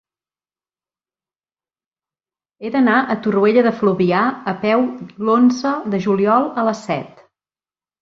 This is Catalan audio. He d'anar a Torroella de Fluvià a peu l'onze de juliol a les set.